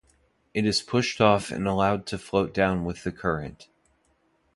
It is pushed off and allowed to float down with the current.